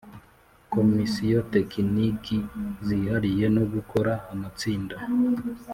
Komisiyo tekiniki zihariye no gukora amatsinda